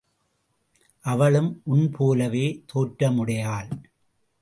அவளும் உன் போலவே தோற்றமுடையாள்!